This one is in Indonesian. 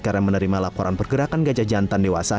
karena menerima laporan pergerakan gajah jantan dewasa